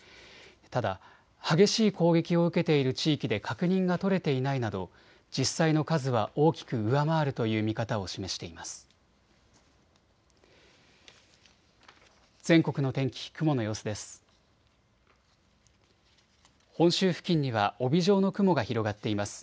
ただ激しい攻撃を受けている地域で確認が取れていないなど実際の数は大きく上回るという見方を示しています。